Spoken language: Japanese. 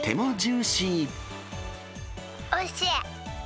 おいしい。